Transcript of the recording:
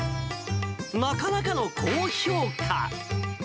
なかなかの高評価。